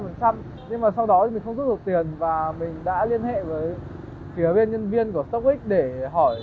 nhưng mà sau đó thì mình không rút được tiền và mình đã liên hệ với phía bên nhân viên của stock ex để hỏi